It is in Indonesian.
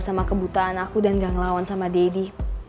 sama kebutaan aku dan gak ngelawan sama deddy